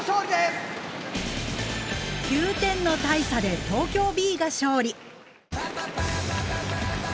９点の大差で東京Ｂが勝利。